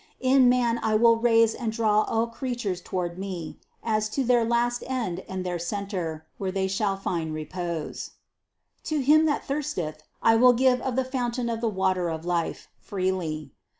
In man I will raise and draw all creatures toward Me, as to their last end and their center, where they shall find repose. 260. "To him that thirsteth I will give of the foun tain of the water of life, freely.